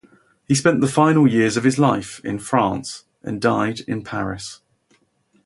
He spent the final years of his life in France and died in Paris.